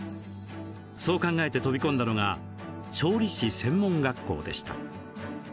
そう考えて飛び込んだのが調理師専門学校でした。